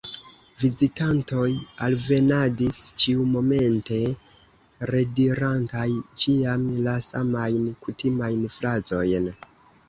Vizitantoj alvenadis ĉiumomente, redirantaj ĉiam la samajn kutimajn frazojn.